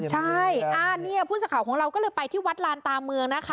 ใช่เนี่ยผู้สื่อข่าวของเราก็เลยไปที่วัดลานตาเมืองนะคะ